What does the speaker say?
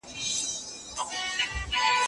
د افغانستان ښوونځي د سولې او ورورولۍ مرکزونه دي.